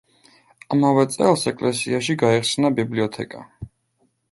ამავე წელს ეკლესიაში გაიხსნა ბიბლიოთეკა.